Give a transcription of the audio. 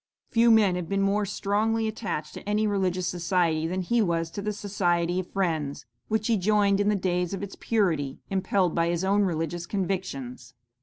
"'Few men have been more strongly attached to any religious society than he was to the Society of Friends, which he joined in the days of its purity, impelled by his own religious convictions.